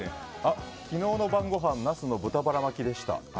昨日の晩ごはんナスの豚バラ巻きでしたと。